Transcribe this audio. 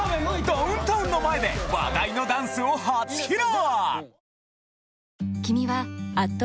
ダウンタウンの前で話題のダンスを初披露！